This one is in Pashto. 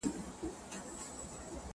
• نه یم په مالت کي اشیانې راپسي مه ګوره -